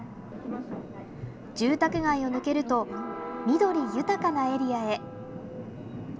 住宅街を抜けると緑豊かなエリアへ。